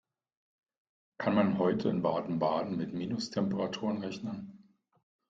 Kann man heute in Baden-Baden mit Minustemperaturen rechnen?